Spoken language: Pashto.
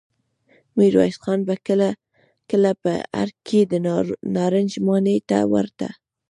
ميرويس خان به کله کله په ارګ کې د نارنج ماڼۍ ته ورته.